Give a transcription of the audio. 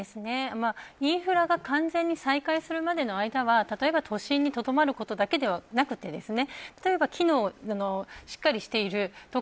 インフラが完全に再開するまでの間は例えば都心にとどまることだけではなくて例えば機能がしっかりしている所